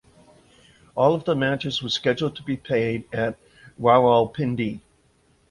All of the matches were scheduled to be played at Rawalpindi.